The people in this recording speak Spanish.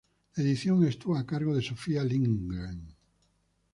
La edición estuvo a cargo de Sofia Lindgren.